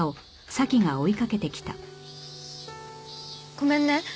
ごめんね。